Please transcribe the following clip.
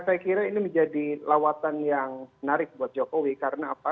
saya kira ini menjadi lawatan yang menarik buat jokowi karena apa